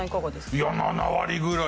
いや７割ぐらい。